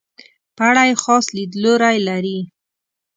په اړه یې خاص لیدلوری لري.